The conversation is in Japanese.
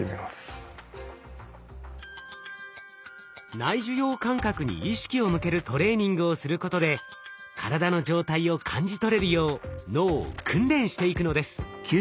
内受容感覚に意識を向けるトレーニングをすることで体の状態を感じ取れるよう脳を訓練していくのです。